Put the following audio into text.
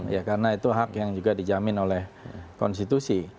ya karena itu hak yang juga dijamin oleh konstitusi